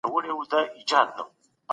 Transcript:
څوک غواړي تابعیت په بشپړ ډول کنټرول کړي؟